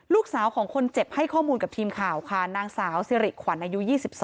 ลูกสาวของคนเจ็บให้ข้อมูลกับทีมข่าวค่ะนางสาวสิริขวัญอายุ๒๒